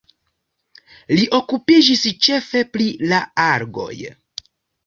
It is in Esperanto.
Li okupiĝis ĉefe pri la algoj.